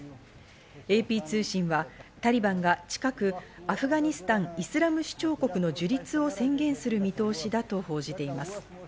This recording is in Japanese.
ＡＰ通信はタリバンが近く、アフガニスタン・イスラム首長国の樹立を宣言する見通しだと報じています。